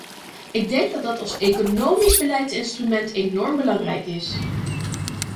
Ik denk dat dat als economisch beleidsinstrument enorm belangrijk is.